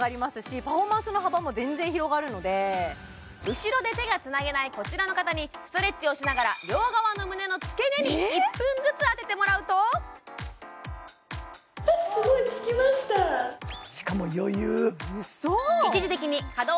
後ろで手がつなげないこちらの方にストレッチをしながら両側の胸の付け根に１分ずつ当ててもらうとしかも余裕ウソ？